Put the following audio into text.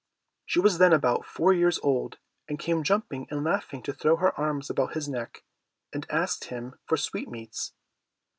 She was then about four years old, and came jumping and laughing to throw her arms about his neck, and ask him for sweetmeats.